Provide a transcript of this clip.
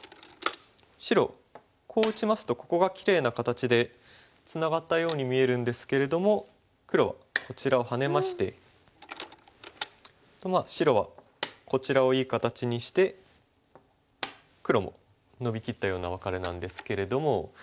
白こう打ちますとここがきれいな形でツナがったように見えるんですけれども黒はこちらをハネまして白はこちらをいい形にして黒もノビきったようなワカレなんですけれども。